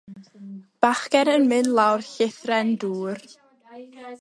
Bachgen yn mynd lawr llithren ddŵr.